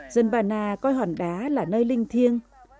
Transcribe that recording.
dân bana coi hòn đá là nơi linh thiêng